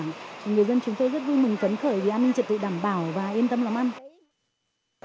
người dân chúng tôi rất vui mừng phấn khởi vì an ninh trật tự đảm bảo và yên tâm làm ăn